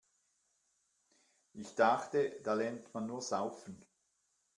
Ich dachte, da lernt man nur Saufen.